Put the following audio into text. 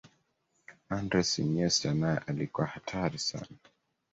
andres iniesta naye alikuwa hatari sana